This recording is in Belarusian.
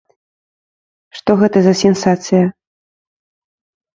Што гэта за сенсацыя?